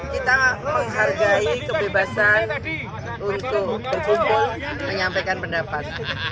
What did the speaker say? kita menghargai kebebasan untuk berkumpul menyampaikan pendapat